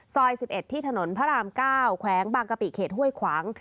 ซอย๑๑ที่ถนนพระราม๙แขวงบางกะปิเขตห้วยขวาง